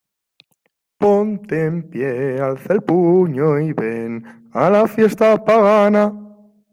Ponte en pie, alza el puño y ven a la fiesta pagana.